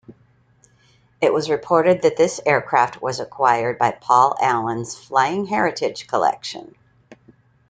It was reported that this aircraft was acquired by Paul Allen's Flying Heritage Collection.